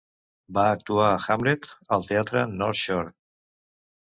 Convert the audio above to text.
Va actuar a "Hamlet" al teatre North Shore.